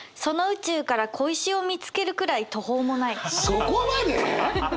そこまで！？